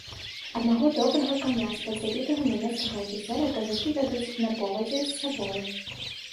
Аднаго, добрага, каня з-пад забітага нямецкага афіцэра казакі вядуць на повадзе з сабою.